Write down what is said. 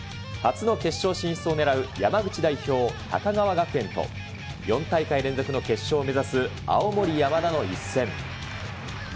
初の決勝進出を狙う山口代表、高川学園と、４大会連続の決勝を目指す青森山田の一戦。